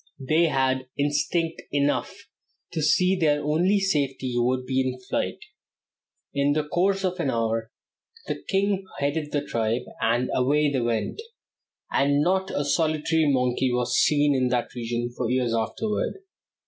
They had instinct enough to see that their only safety would be in flight. In the course of an hour the king headed the tribe, and away they went, and not a solitary monkey was seen in that region for years afterward.